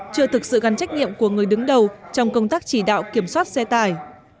chưa thực sự gắn trách nhiệm của người đứng đầu trong công tác chỉ đạo kiểm soát xe tải